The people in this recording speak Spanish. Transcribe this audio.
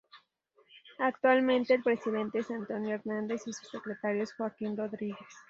Actualmente el Presidente es Antonio Hernández y su secretario es Joaquín Rodríguez.